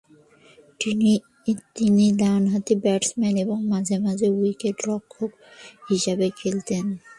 তিনি ডানহাতি ব্যাটসম্যান এবং মাঝে মাঝে উইকেট-রক্ষক হিসেবে খেলতেন।